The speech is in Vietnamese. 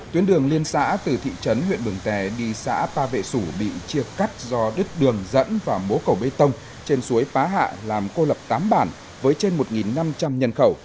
tuyến đường liên xã từ thị trấn huyện mường tè đi xã pa vệ sủ bị chia cắt do đứt đường dẫn và mố cầu bê tông trên suối pá hạ làm cô lập tám bản với trên một năm trăm linh nhân khẩu